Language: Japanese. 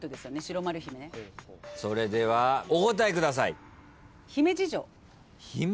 それではお答えください。